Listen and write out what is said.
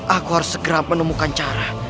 aku harus segera menemukan cara